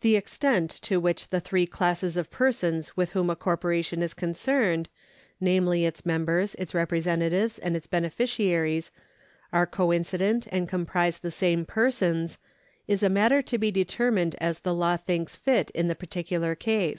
The extent to which the three classes of persons with whom a corporation is concerned, namely its members, its representatives, and its beneficiaries, are coincident and comprise the same persons, is a matter to be determined as the law thinks fit in the particular case.